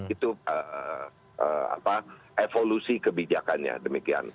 itu evolusi kebijakannya demikian